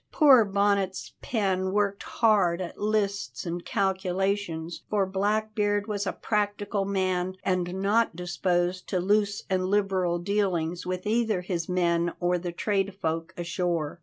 Poor Bonnet's pen worked hard at lists and calculations, for Blackbeard was a practical man, and not disposed to loose and liberal dealings with either his men or the tradefolk ashore.